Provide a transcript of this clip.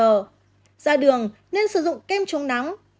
ra đường nên sử dụng kem chống nắng